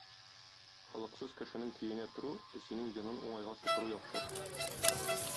Холыксыз кешенең көенә тору, песинең йонын уңайга сыпыру яхшы.